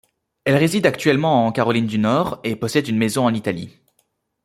Elle réside actuellement en Caroline du Nord et possède une maison en Italie.